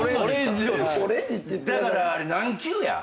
だからあれ何級や？